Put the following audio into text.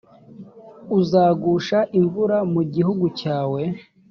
uzagusha imvura mu gihugu cyawe,